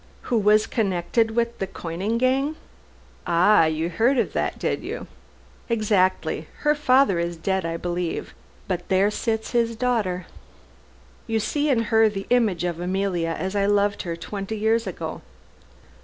"Who was connected with the coining gang?" "Ah, you heard of that, did you? Exactly. Her father is dead, I believe, but there sits his daughter. You see in her the image of Emilia as I loved her twenty years ago."